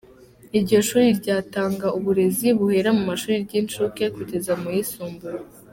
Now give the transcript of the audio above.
Iryo shuri ryatanga uburezi buhera mu mashuri y'inshuke kugera mu yisumbuye.